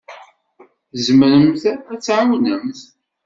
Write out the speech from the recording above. Tzemremt ad d-tɛawnemt.